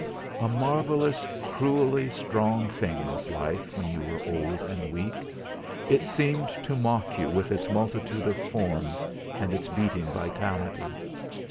A marvellous cruelly strong thing was life when you were old and weak; it seemed to mock you with its multitude of forms and its beating vitality.